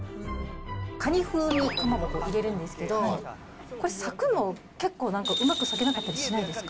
カニ風味かまぼこ、入れるんですけど、これ、割くの、結構うまく割けなかったりしないですか？